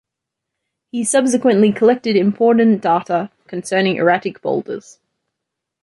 He subsequently collected important data concerning erratic boulders.